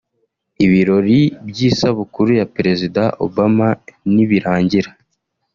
Ibirori by’isabukuru ya Perezida Obama nibirangira